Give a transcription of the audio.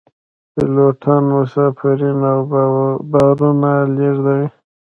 پیلوټان مسافرین او بارونه لیږدوي